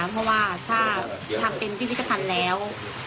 เพราะว่าถ้าทำเป็นพิพิธภัณฑ์แล้ว